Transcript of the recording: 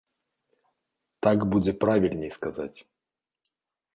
Так будзе правільней сказаць.